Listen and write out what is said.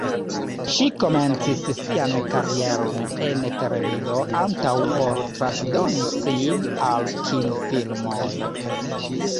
Ŝi komencis sian karieron en televido antaŭ ol transdoni sin al kinfilmoj.